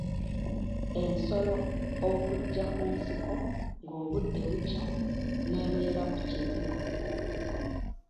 Ensolo okujja ku nsiko ng’obudde bukya n’ebeera ku kizigo.